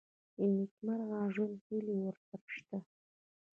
د نېکمرغه ژوند هیلې ورسره شته.